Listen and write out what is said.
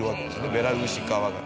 ベラルーシ側が。